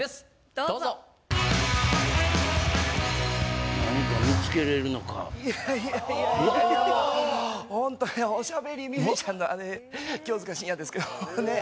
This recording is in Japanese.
どうぞいやいやいやいやもうホントにお喋りミュージシャンの清塚信也ですけどねえ